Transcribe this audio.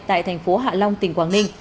tại thành phố hạ long tỉnh quảng ninh